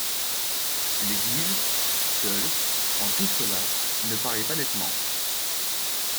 Les Guises, seuls, en tout cela, ne parlaient pas nettement.